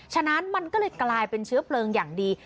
ฉะนั้นมันก็เลยกลายเป็นเชื้อเพลิงอย่างดี